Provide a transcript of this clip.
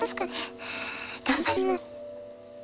頑張ります。